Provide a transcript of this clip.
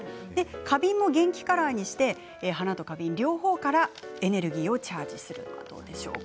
花瓶も元気カラーにして花と花瓶、両方からエネルギーをチャージするのはどうでしょうか。